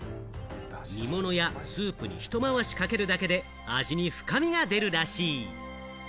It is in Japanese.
煮物やスープにひと回しかけるだけで、味に深みが出るらしい。